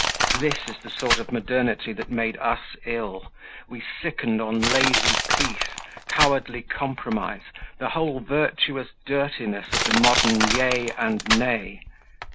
This is the sort of modernity that made us ill, we sickened on lazy peace, cowardly compromise, the whole virtuous dirtiness of the modern Yea and Nay.